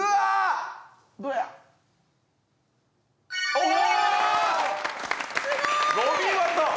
お見事！